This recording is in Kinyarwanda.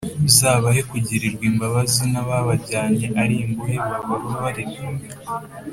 uzabahe kugirirwa imbabazi n’ababajyanye ari imbohe babababarire